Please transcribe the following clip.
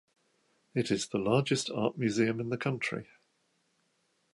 It is the largest art museum in the country.